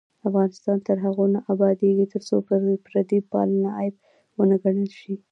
افغانستان تر هغو نه ابادیږي، ترڅو پردی پالنه عیب ونه ګڼل شي.